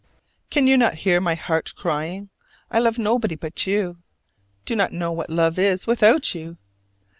Can you not hear my heart crying? I love nobody but you do not know what love is without you!